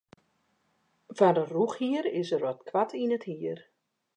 Foar in rûchhier is er wat koart yn it hier.